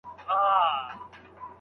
آیا نیت په تعین کې رول لري؟